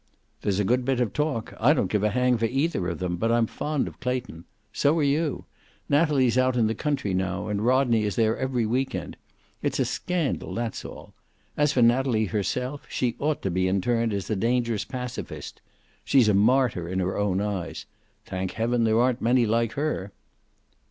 "There's a good bit of talk. I don't give a hang for either of them, but I'm fond of Clayton. So are you. Natalie's out in the country now, and Rodney is there every week end. It's a scandal, that's all. As for Natalie herself, she ought to be interned as a dangerous pacifist. She's a martyr, in her own eyes. Thank heaven there aren't many like her."